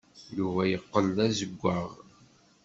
Yuba yeqqel d azewwaɣ.